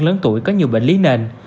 lớn tuổi có nhiều bệnh lý nền